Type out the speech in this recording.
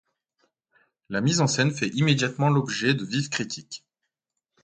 La mise en scène fait immédiatement l’objet de vives critiques.